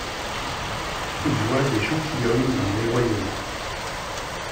Voix des gentilshommes, dans l’éloignement.